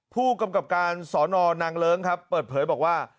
ผู้กำกับการสอนอนางเลิ้งครับเปิดเผยบอกว่า